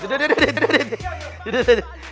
ดูดูดูดู